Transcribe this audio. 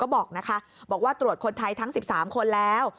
ก็บอกว่าตรวจคนไทยทั้ง๑๓คนแล้ว